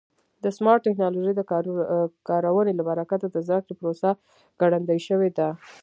د سمارټ ټکنالوژۍ د کارونې له برکته د زده کړې پروسه ګړندۍ شوې ده.